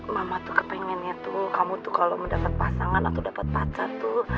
mama tuh kepengennya tuh kamu tuh kalau mendapat pasangan atau dapat pacar tuh